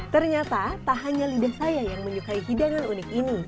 ternyata tak hanya lidah saya yang menyukai hidangan unik ini